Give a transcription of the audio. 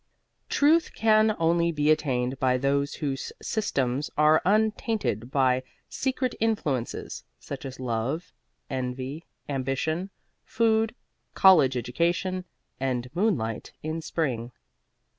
Truth can only be attained by those whose systems are untainted by secret influences, such as love, envy, ambition, food, college education and moonlight in spring.